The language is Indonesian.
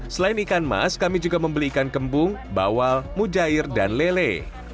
selain ikan mas kami juga membeli ikan kembung bawal mujair dan lele